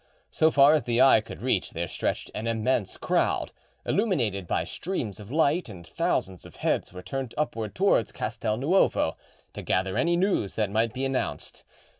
So far as the eye could reach there stretched an immense crowd, illuminated by streams of light, and thousands of heads were turned upward towards Castel Nuovo to gather any news that might be announced.